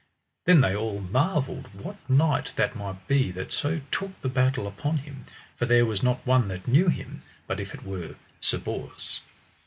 Then they all marvelled what knight that might be that so took the battle upon him. For there was not one that knew him, but if it were Sir Bors.